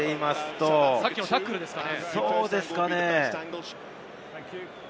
さっきのタックルですかね？